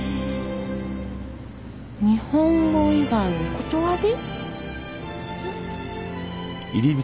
「日本語以外お断り」？